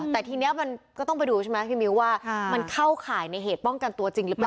แต่ทีนี้มันก็ต้องไปดูใช่ไหมพี่มิ้วว่ามันเข้าข่ายในเหตุป้องกันตัวจริงหรือเปล่า